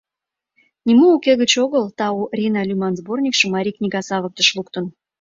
Нимо уке гыч огыл «Тау, Рина» лӱман сборникшым Марий книга савыктыш луктын.